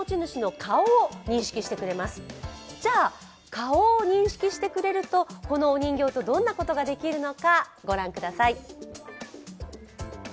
顔を認識してくれると、このお人形とどんなことができるのか、御覧ください。